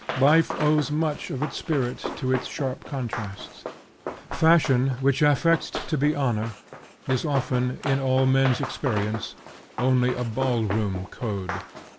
Life owes much of its spirit to these sharp contrasts. Fashion, which affects to be honor, is often, in all men's experience, only a ballroom code.